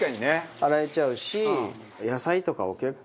洗えちゃうし。